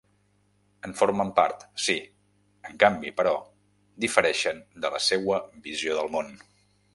En formen part, sí; en canvi, però, difereixen de la seua visió del món.